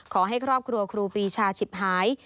ขอให้ครอบครัวครูปีชาฉิบหาย